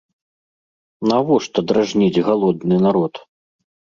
Навошта дражніць галодны народ?